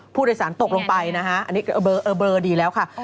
ผู้โดยสารตกลงไปอันนี้เบอร์ดีแล้ว